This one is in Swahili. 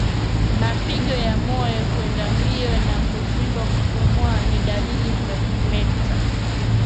Mapigo ya moyo kwenda mbio na kushindwa kupumua ni dalili za kimeta